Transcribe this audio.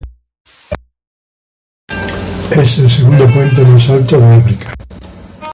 Es el segundo puente más alto de África.